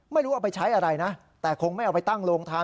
ไม่รู้เอาไปใช้อะไรนะแต่คงไม่เอาไปตั้งโรงทาน